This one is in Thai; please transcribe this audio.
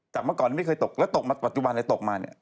เมื่อก่อนไม่เคยตกแล้วตกมาปัจจุบันเลยตกมาเนี่ย